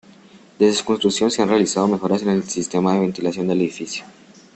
Desde su construcción se han realizado mejoras en el sistema de ventilación del edificio.